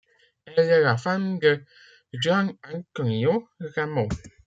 Elle est la femme de Juan Antonio Ramos.